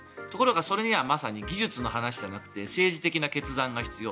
だけど、それにはまさに技術の話じゃなくて政治的な決断が必要。